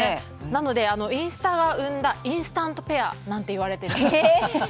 なのでインスタが生んだインスタントペアと言われています。